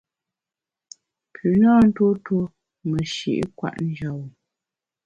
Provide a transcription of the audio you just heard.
Pü na ntuo tuo meshi’ kwet njap-bu.